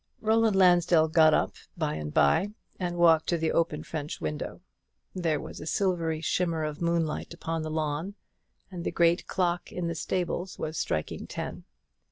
Roland Lansdell got up by and by, and walked to the open French window. There was a silvery shimmer of moonlight upon the lawn, and the great clock in the stables was striking ten.